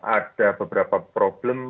ada beberapa problem